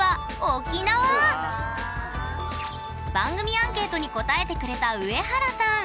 番組アンケートに答えてくれたウエハラさん。